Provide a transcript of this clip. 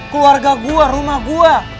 keluarga gue rumah gue